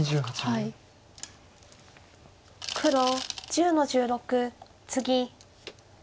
黒１０の十六ツギ。